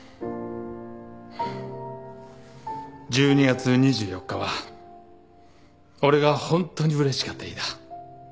１２月２４日は俺がホントにうれしかった日だ。